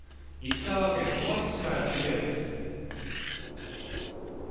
石川県小松市から中継です